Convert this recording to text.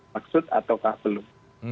maksud ataukah belum